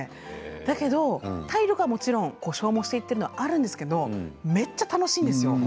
だけど、体力はもちろん消耗していっているのはあるんですけれどめっちゃ楽しいんですよ。